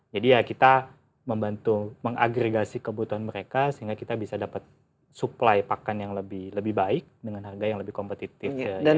jadi ya kita membantu mengagregasi kebutuhan mereka sehingga kita bisa dapat supply pakan yang lebih baik dengan harga yang lebih kompetitif